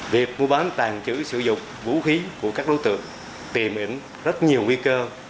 việc mua bán tàng trữ sử dụng vũ khí của các đối tượng tìm ẩn rất nhiều nguy cơ